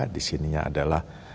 di sininya adalah